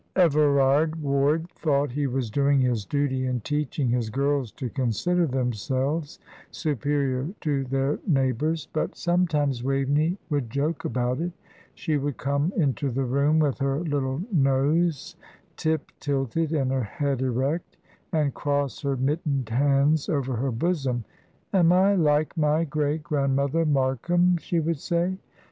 Everard Ward thought he was doing his duty in teaching his girls to consider themselves superior to their neighbours, but sometimes Waveney would joke about it. She would come into the room with her little nose tip tilted and her head erect, and cross her mittened hands over her bosom. "Am I like my great grandmother Markham?" she would say.